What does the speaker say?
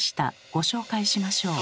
ご紹介しましょう。